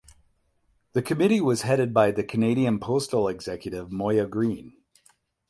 The committee was headed by the Canadian postal executive Moya Greene.